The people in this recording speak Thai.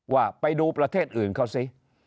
ว่าไปดูประเทศอื่นเขาสิ